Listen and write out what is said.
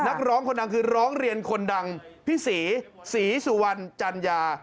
นักร้องคนดังคือร้องเรียนคนดังพี่ศรีศรีสุวรรณจัญญา